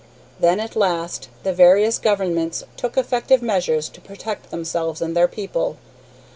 Then, at last, the various governments took effective measures to protect themselves and their people.